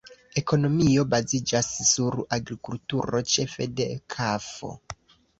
Ekonomio baziĝas sur agrikulturo, ĉefe de kafo.